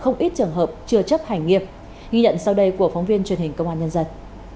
không ít trường hợp chưa chấp hành nghiệp ghi nhận sau đây của phóng viên truyền hình công an nhân dân